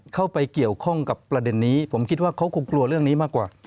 เข้าไปเกี่ยวข้องกับประเด็นนี้ผมคิดว่าเขาคงกลัวเรื่องนี้มากกว่า